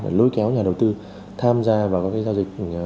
để lôi kéo nhà đầu tư tham gia vào các giao dịch